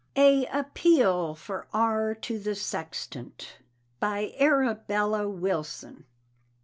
A APELE FOR ARE TO THE SEXTANT. BY ARABELLA WILSON.